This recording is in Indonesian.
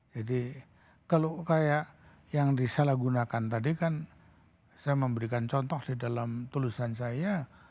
kalau kayak yang disalahgunakan tadi kan saya memberikan contoh di dalam tulisan saya